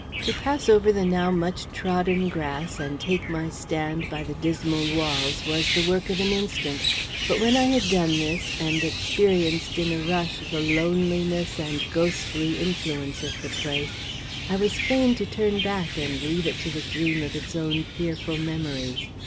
To pass over the now much trodden grass and take my stand by the dismal walls was the work of an instant; but when I had done this and experienced in a rush the loneliness and ghostly influence of the place, I was fain to turn back and leave it to the dream of its own fearful memories.